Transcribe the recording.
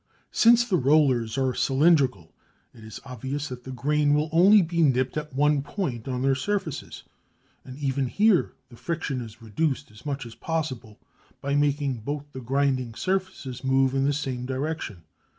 Since the rollers are cylindrical it is obvious that the grain will only be nipped at one point of their surfaces, and even here the friction is reduced as much as possible by making both the grinding surfaces move in the same direction.